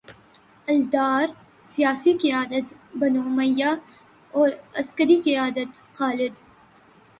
الدار، سیاسی قیادت بنو امیہ اور عسکری قیادت خالد